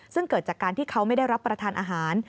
ซึ่งเกิดจากการที่เขาไม่ได้รับประทานอาหาร